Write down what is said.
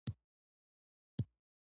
ځوانان د فرهنګ د ودي لپاره کار کوي.